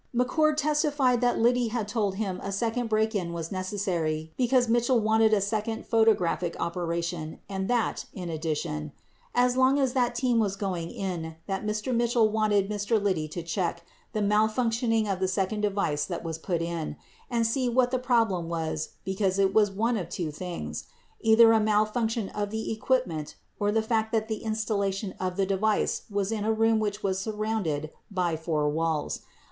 60 McCord testified that Biddy had told him a second break in was necessary be cause Mitchell wanted a second photographic operation and that, in addition, "as long as that team was going in that Mr. Mitchell wanted ... Mr. Biddy to check ... the malfunctioning of the second device that was put in ... and see what the problem was because it was one of two things — either a malfunction of the equipment or the fact that the installation of the device w T as in a room which was surrounded by four walls.